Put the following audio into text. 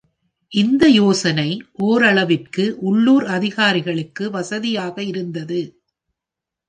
இந்த யோசனை ஓரளவிற்கு உள்ளூர் அதிகாரிகளுக்கு வசதியாக இருந்தது.